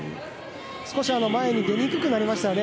前に出にくくなりましたね。